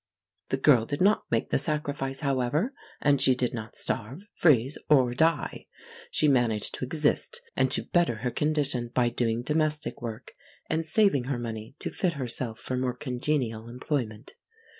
The girl did not make the sacrifice, however, and she did not starve, freeze, or die. She managed to exist and to better her condition by doing domestic work and saving her money to fit herself for more congenial employment.